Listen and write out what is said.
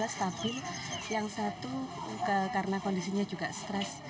kondisi pasien yang dua stabil yang satu karena kondisinya juga stres